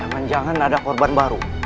jangan jangan ada korban baru